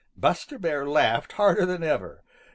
Buster Bear laughed harder than ever.